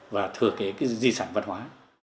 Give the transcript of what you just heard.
và thừa kế cái di sản văn hóa